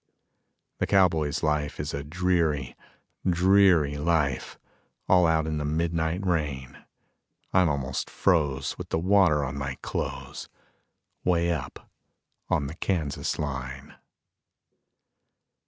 The cowboy's life is a dreary, dreary life, All out in the midnight rain; I'm almost froze with the water on my clothes, Way up on the Kansas line.